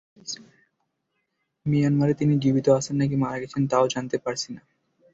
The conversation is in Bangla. মিয়ানমারে তিনি জীবিত আছেন নাকি মারা গেছেন, তাও জানতে পারছি না।